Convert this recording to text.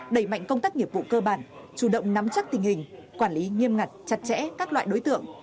đẩy mạnh công tác nghiệp vụ cơ bản chủ động nắm chắc tình hình quản lý nghiêm ngặt chặt chẽ các loại đối tượng